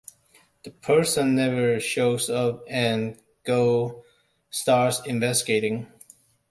The person never shows up and Gold starts investigating.